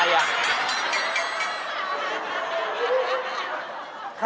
เหปาตะเกะเหปาตะเกะ